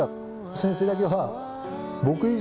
先生だけは。